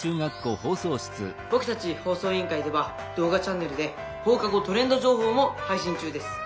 僕たち放送委員会では動画チャンネルで『放課後トレンド情報』も配信中です」。